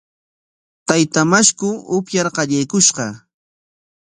Taytaa washku upyar qallaykushqa.